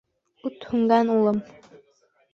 — Ут һүнгән, улым.